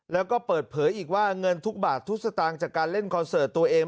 แล้วก็เปิดเผยอีกว่าเงินทุกบาททุกสตางค์จากการเล่นคอนเสิร์ตตัวเอง